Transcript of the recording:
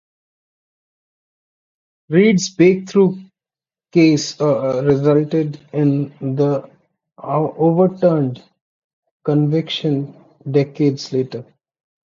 Reid's breakthrough case resulted in an overturned conviction decades later.